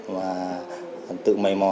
và tự mây mò